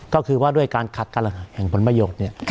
ก็คือว่าด้วยการขัดกำลังิงพ้นมะโยดเนี่ย